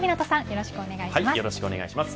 よろしくお願いします